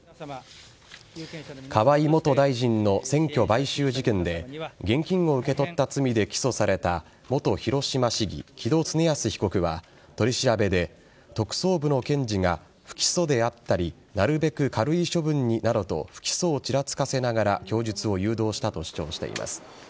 河井元大臣の選挙買収事件で現金を受け取った罪で起訴された元広島市議・木戸経康被告は取り調べで特捜部の検事が不起訴であったりなるべく軽い処分になどと不起訴をちらつかせながら供述を誘導したと主張しています。